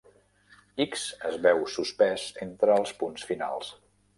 "X" es veu "suspès" entre els punts finals.